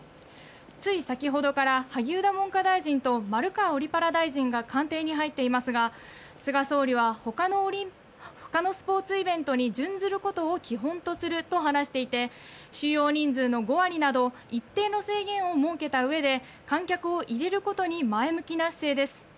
つい先ほどから萩生田文科大臣と丸川オリ・パラ大臣が官邸に入っていますが菅総理はほかのスポーツイベントに準ずることを基本とすると話していて収容人数の５割など一定の制限を設けたうえで観客を入れることに前向きな姿勢です。